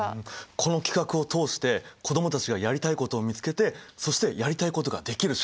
この企画を通して子供たちがやりたいことを見つけてそしてやりたいことができる社会に。